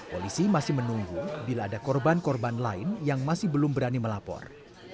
polisi masih menunggu bila ada korban korban lain yang masih belum berani melapor